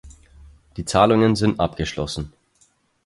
Diese Zahlungen sind abgeschlossen.